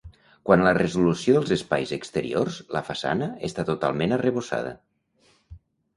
Quant a la resolució dels espais exteriors la façana està totalment arrebossada.